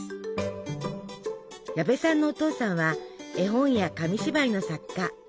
矢部さんのお父さんは絵本や紙芝居の作家。